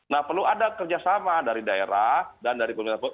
nah perlu ada kerjasama dari daerah dan dari pemerintah pusat